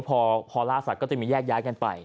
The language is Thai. พอล่าสัตว์ก็จะมีแยกย้ายกันไป